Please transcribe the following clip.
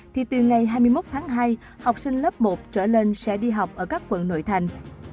thì từ ngày hai mươi một tháng hai học sinh lớp một trở lên sẽ đi học ở các quận nội thành